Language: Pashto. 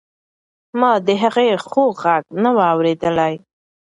ما د هغې خوږ غږ نه و اورېدلی.